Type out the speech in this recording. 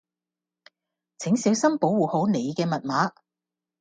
請小心保護好你嘅密碼